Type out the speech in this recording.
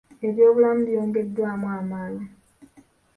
Ebyobulamu byongeddwamu amaanyi.